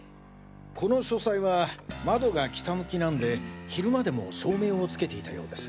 この書斎は窓が北向きなんで昼間でも照明をつけていたようです。